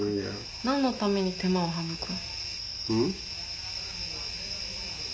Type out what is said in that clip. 何のために手間を省くん？